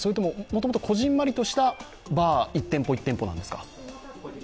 もともとこぢんまりとしたバー一店舗一店舗なんですか？